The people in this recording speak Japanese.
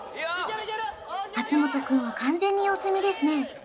松本くんは完全に様子見ですね